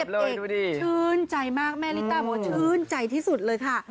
ชื่นใจมากแม่ลิต้าบอกว่าชื่นใจที่สุดเลยค่ะ